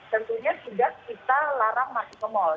tentunya tidak kita larang masuk ke mall